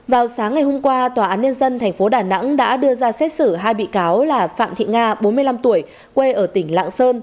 vào sáng ngày hôm qua tòa án nhân dân tp đà nẵng đã đưa ra xét xử hai bị cáo là phạm thị nga bốn mươi năm tuổi quê ở tỉnh lạng sơn